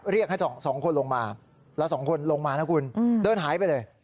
เรียกให้๒คนลงมาแล้ว๒คนลงมานะคุณเดินหายไปเลย